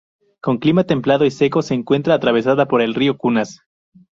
Con clima templado y seco, se encuentra atravesada por el Río Cunas.